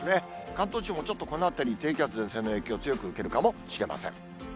関東地方もちょっとこのあたり、低気圧や前線の影響、強く受けるかもしれません。